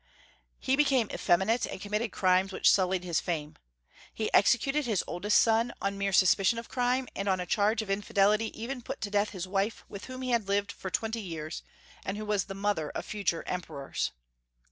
He became effeminate, and committed crimes which sullied his fame. He executed his oldest son on mere suspicion of crime, and on a charge of infidelity even put to death the wife with whom he had lived for twenty years, and who was the mother of future emperors.